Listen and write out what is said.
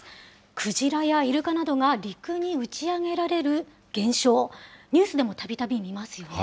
クジラやイルカなどが陸に打ち上げられる現象、ニュースでもたびたび見ますよね。